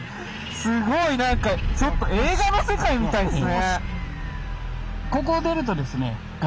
すごいなんかちょっと映画の世界みたいですね！